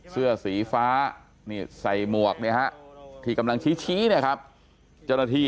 เสื้อสีฟ้าใส่หมวกนะครับที่กำลังชี้นะครับเจ้าหน้าที่